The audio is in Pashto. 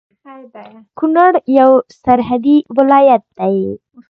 کونړ يو سرحدي ولايت دی